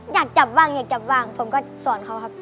อยากจับบ้างผมก็สอนเขาครับ